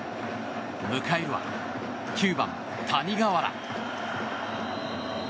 迎えるは９番、谷川原。